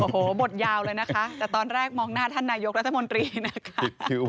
โอ้โหบทยาวเลยนะคะแต่ตอนแรกมองหน้าท่านนายกรัฐมนตรีนะคะ